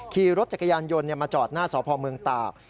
ขี่รถจักรยานยนต์มาจอดหน้าสพเมืองตาก